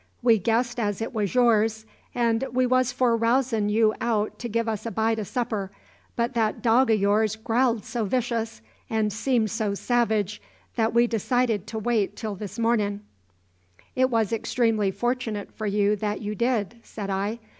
We guessed as it was yours; and we was for rousin' you out to give us a bite o' supper; but that dog o' yours growled so vicious, and seemed so savage, that we decided to wait till this mornin'." "It was extremely fortunate for you that you did," said I.